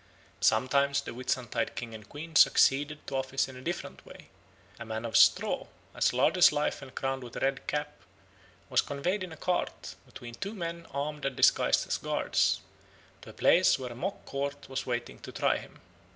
Sometimes the Whitsuntide King and Queen succeeded to office in a different way. A man of straw, as large as life and crowned with a red cap, was conveyed in a cart, between two men armed and disguised as guards, to a place where a mock court was waiting to try him.